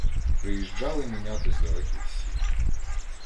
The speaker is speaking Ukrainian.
Приїжджали міняти з далеких сіл.